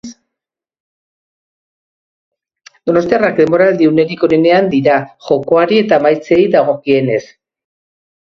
Donostiarrak denboraldiko unerik onenean dira, jokoari eta emaitzei dagokienez.